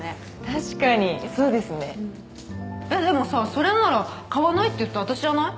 確かにそうですねでもさそれなら「買わない？」って言った私じゃない？